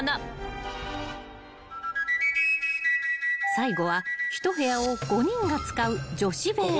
［最後は１部屋を５人が使う女子部屋］